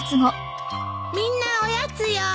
みんなおやつよ！